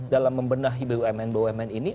dalam membenahi bumn bumn ini